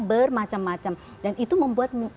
bermacam macam dan itu membuat